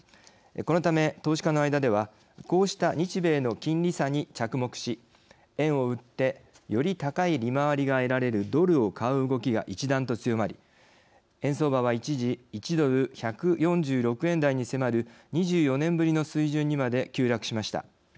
このため、投資家の間ではこうした日米の金利差に着目し円を売ってより高い利回りが得られるドルを買う動きが一段と強まり円相場は一時、１ドル１４６円台に迫る２４年ぶりの水準にまで急落しました。